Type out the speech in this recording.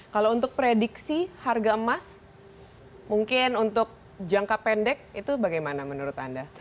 kalau untuk prediksi harga emas mungkin untuk jangka pendek itu bagaimana menurut anda